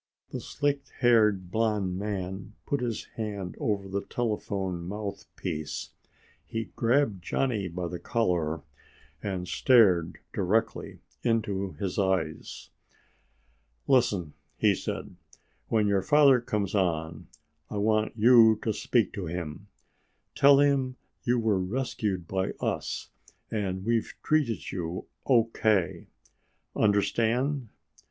The slick haired blond man put his hand over the telephone mouthpiece. He grabbed Johnny by the collar and stared directly into his eyes. "Listen," he said, "when your father comes on, I want you to speak to him. Tell him you were rescued by us and we've treated you O.K. Understand?"